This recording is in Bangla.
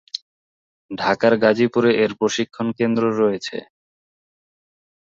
ঢাকার গাজীপুরে এর প্রশিক্ষণ কেন্দ্র রয়েছে।